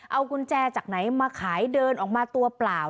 เอากุญแจจากไหนมาขายเดินออกมาตัวเปล่า